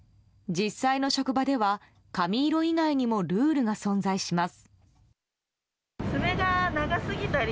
実際の職場では髪色以外にもルールが存在します。